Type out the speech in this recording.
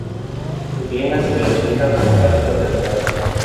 Su clima se clasifica como cálido o templado.